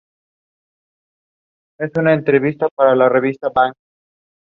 En español es Guillermo.